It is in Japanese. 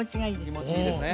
気持ちいいですね